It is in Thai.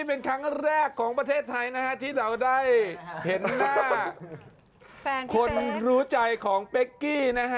เป็นครั้งแรกของประเทศไทยนะฮะที่เราได้เห็นศิลปะคนรู้ใจของเป๊กกี้นะฮะ